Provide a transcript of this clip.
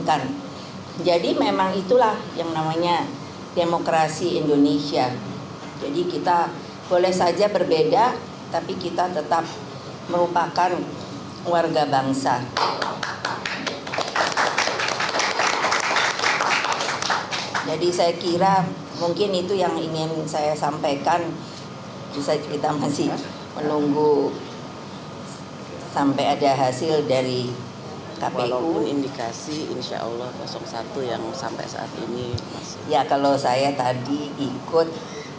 saya ingin juga mengucapkan terima kasih banyak karena beliau telah menginstruksikan untuk tidak terjadinya hal hal yang tidak kita ingin